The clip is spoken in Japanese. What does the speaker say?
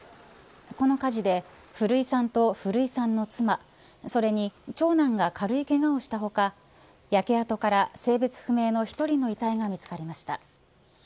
この火事で古居さんと古居さんの妻それに長男が軽いけがをした他焼け跡から性別不明の１人の遺体が見つかりました。